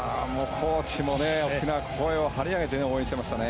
コーチも声を張り上げて応援してましたね。